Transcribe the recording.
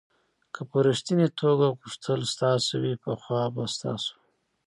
که په ریښتني توګه غوښتل ستاسو وي پخوا به ستاسو و.